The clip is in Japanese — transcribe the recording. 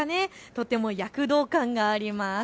とても躍動感があります。